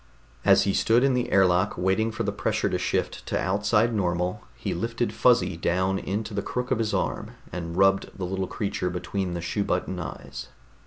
As he stood in the airlock waiting for the pressure to shift to outside normal, he lifted Fuzzy down into the crook of his arm and rubbed the little creature between the shoe button eyes.